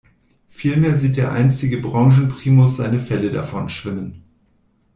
Vielmehr sieht der einstige Branchenprimus seine Felle davonschwimmen.